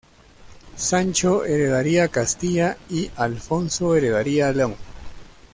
Sancho heredaría Castilla y Alfonso heredaría León.